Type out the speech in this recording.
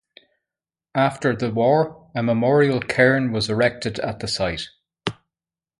After the war, a memorial cairn was erected at the site.